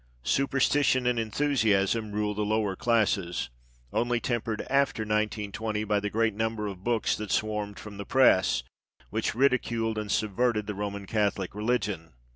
" Superstition and enthusiam " rule the lower classes, only tempered after 1920 by "the great number of books that swarmed from the press, which ridiculed and subverted the Roman Catholic religion."